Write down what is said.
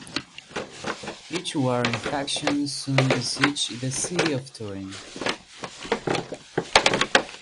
Each warring faction soon besieged the city of Turin.